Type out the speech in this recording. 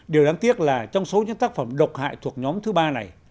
điều đáng tiếc là trong số những tác phẩm độc hại thuộc nhóm thứ ba này